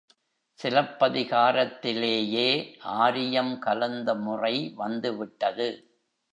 சிலப்பதிகாரத்திலேயே ஆரியம் கலந்த முறை வந்துவிட்டது.